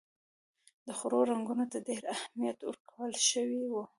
د خوړو رنګونو ته ډېر اهمیت ورکول شوی و.